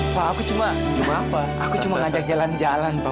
pak aku cuma ngajak jalan jalan pak